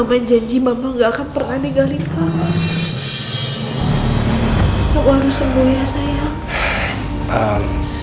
kamu harus sembuh ya sayang